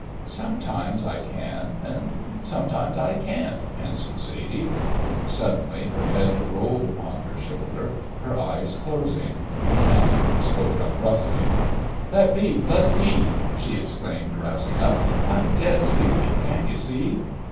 "Sometimes I can and sometimes I can't," answered Sadie. Suddenly her head rolled upon her shoulder, her eyes closing. Manning shook her roughly: "Let be! let be!" she exclaimed, rousing up; "I'm dead sleepy. Can't you see?"